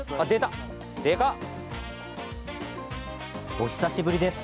お久しぶりです。